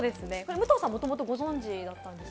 武藤さん、もともとご存じだったんですか？